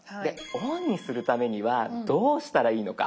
オンにするためにはどうしたらいいのか？